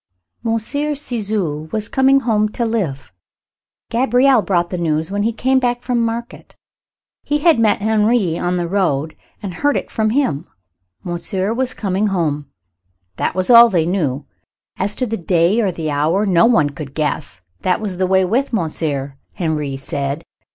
Monsieur Ciseaux was coming home to live. Gabriel brought the news when he came back from market. He had met Henri on the road and heard it from him. Monsieur was coming home. That was all they knew; as to the day or the hour, no one could guess. That was the way with monsieur, Henri said.